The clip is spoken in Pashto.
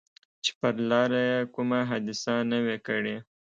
چې پر لاره یې کومه حادثه نه وي کړې.